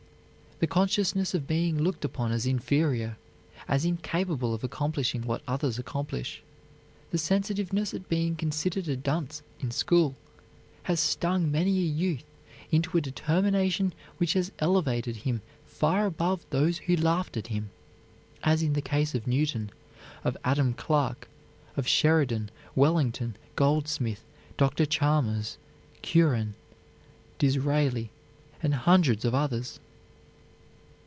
The consciousness of being looked upon as inferior, as incapable of accomplishing what others accomplish; the sensitiveness at being considered a dunce in school, has stung many a youth into a determination which has elevated him far above those who laughed at him, as in the case of Newton, of Adam Clark, of Sheridan, Wellington, Goldsmith, Dr. Chalmers, Curran, Disraeli and hundreds of others.